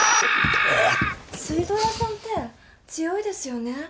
水道屋さんって強いですよね？